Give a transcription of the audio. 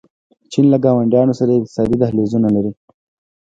چین له ګاونډیانو سره اقتصادي دهلیزونه لري.